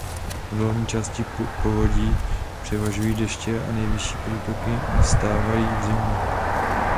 V dolní části povodí převažují deště a nejvyšší průtoky nastávají v zimě.